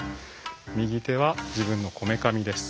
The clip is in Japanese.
右手は自分のこめかみです。